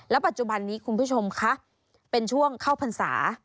ปัจจุบันนี้คุณผู้ชมคะเป็นช่วงเข้าพรรษา